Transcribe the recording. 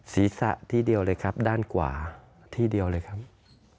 ศีรษะที่เดียวเลยครับด้านขวาที่เดียวเลยครับ